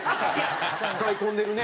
使い込んでるね。